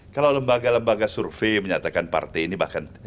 kalau lembaga lembaga survei menyatakan partai ini bahkan